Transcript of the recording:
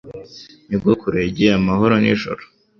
Nyogokuru yagiye amahoro nijoro